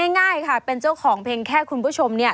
ง่ายค่ะเป็นเจ้าของเพียงแค่คุณผู้ชมเนี่ย